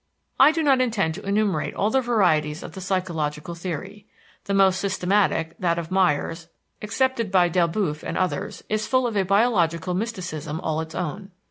I do not intend to enumerate all the varieties of the psychological theory. The most systematic, that of Myers, accepted by Delboef and others, is full of a biological mysticism all its own.